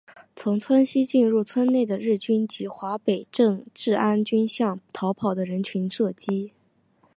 从村西进入村内的日军及华北治安军向逃跑的人群射击。